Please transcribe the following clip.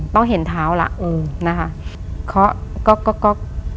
ต้องเห็นเท้าละนะคะเคาะก็